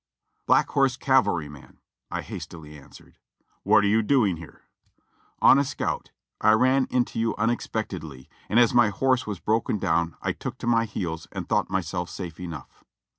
"Black Horse cavalryman," I hastily answered. "Wliat are you doing here ?" "On a scout ; I ran into you unexpectedly, and as my horse was broken down I took to my heels and thought myself safe enough."